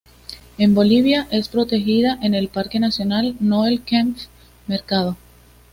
En Bolivia es protegida en el parque nacional Noel Kempff Mercado.